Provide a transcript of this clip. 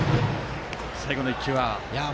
最後の１球は。